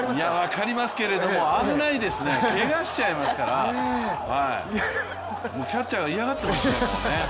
分かりますけれども危ないですね、けがしちゃいますからもうキャッチャーが嫌がってますもんね。